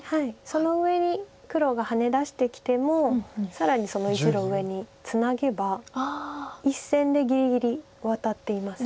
その上に黒がハネ出してきても更にその１路上にツナげば１線でぎりぎりワタっています。